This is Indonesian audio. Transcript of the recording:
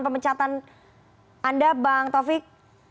pemecatan anda bang taufik